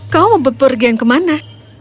kau mau pergi ke mana